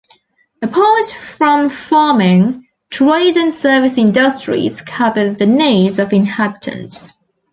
Apart from farming, trade and service industries cover the needs of the inhabitants.